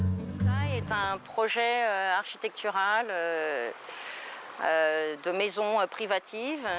นี่เป็นการการสร้างพักธุรกิจที่จากนักท่วงเที่ยว